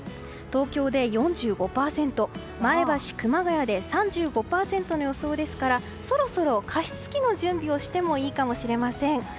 東京で４５％、前橋、熊谷で３５％の予想ですからそろそろ加湿器の準備をしてもいいかもしれません。